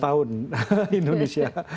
seratus tahun indonesia